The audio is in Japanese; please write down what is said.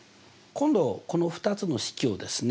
今度この２つの式をですね